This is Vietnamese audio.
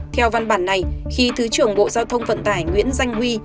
theo văn bản này khi thứ trưởng bộ giao thông vận tải nguyễn danh huy